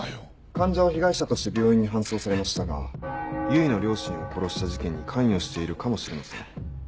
患者は被害者として病院に搬送されましたが唯の両親を殺した事件に関与しているかもしれません。